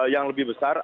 yang lebih besar